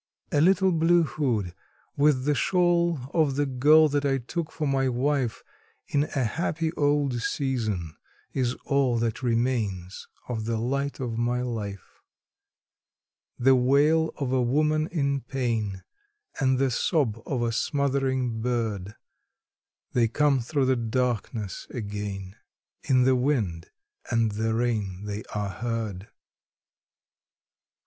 A little blue hood, with the shawl of the girl that I took for my wife In a happy old season, is all that remains of the light of my life; The wail of a woman in pain, and the sob of a smothering bird, They come through the darkness again in the wind and the rain they are heard.